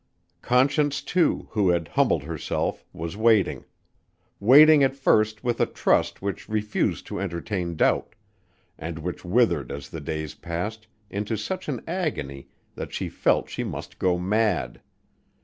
Conscience, too, who had humbled herself, was waiting: waiting at first with a trust which refused to entertain doubt, and which withered as the days passed into such an agony that she felt she must go mad.